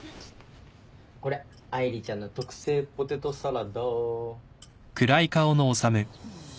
これ愛梨ちゃんの特製ポテトサラダ。